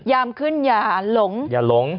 ยามขึ้นอย่าหลง